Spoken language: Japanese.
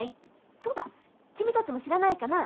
そうだ君たちも知らないかなぁ？